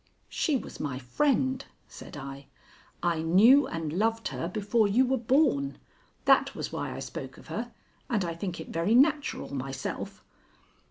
"She was my friend," said I. "I knew and loved her before you were born. That was why I spoke of her, and I think it very natural myself."